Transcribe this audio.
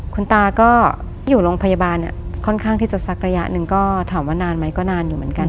คุณตาก็อยู่โรงพยาบาลเนี่ยค่อนข้างที่จะสักระยะหนึ่งก็ถามว่านานไหมก็นานอยู่เหมือนกัน